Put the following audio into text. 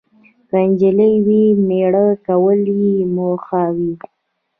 که انجلۍ وي، میړه کول یې موخه وي.